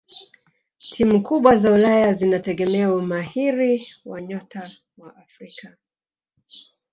timu kubwa za ulaya zinategemea umahiri wa nyota wa afrika